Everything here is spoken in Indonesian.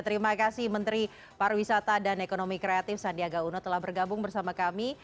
terima kasih menteri pariwisata dan ekonomi kreatif sandiaga uno telah bergabung bersama kami